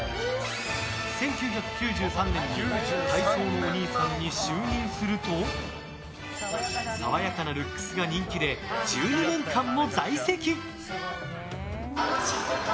１９９３年に体操のおにいさんに就任すると爽やかなルックスが人気で１２年間も在籍。